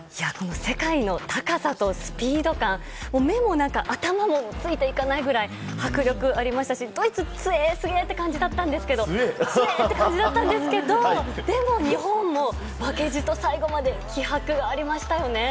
世界の高さとスピード感、もう目も頭もついていかないぐらい迫力ありましたし、ドイツつえー、すげーって感じだったんですけど、つえーって感じだったんですけど、でも日本も負けじと最後まで気迫ありましたよね。